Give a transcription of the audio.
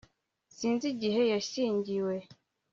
Sinzi igihe yashyingiwe